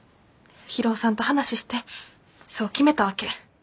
博夫さんと話してそう決めたわけ。